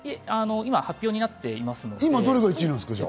今、発表になっていますね。